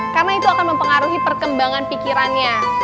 karena itu akan mempengaruhi perkembangan pikirannya